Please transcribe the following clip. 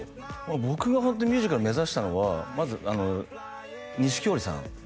僕がホントミュージカル目指したのはまず錦織さん